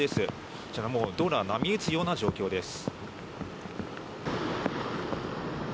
こちら、もう道路は波打つような状況です。